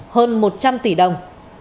hơn một trăm linh tỷ đồng